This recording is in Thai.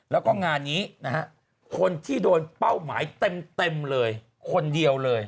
แล้วก็งานนี้นะฮะคนที่โดนเป้าหมายเต็มเลยคนเดียวเลย